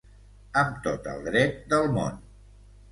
Amb tot el dret del món.